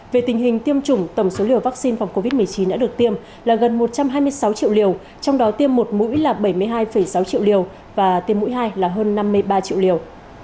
về tình hình tiêm chủng tổng số liều vaccine phòng covid một mươi chín đã được tiêm là gần một trăm hai mươi sáu triệu liều trong đó tiêm một mũi là bảy mươi hai sáu triệu liều và tiêm mũi hai là hơn năm mươi ba triệu liều